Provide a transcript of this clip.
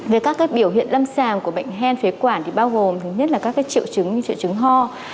về các biểu hiện lâm sàng của bệnh hen phế quản thì bao gồm thứ nhất là các triệu chứng như triệu chứng ho